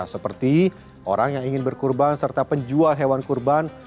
seperti orang yang ingin berkurban serta penjual hewan kurban